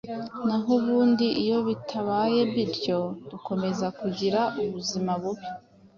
Naho ubundi iyo bitabaye bityo, dukomeza kugira ubuzima bubi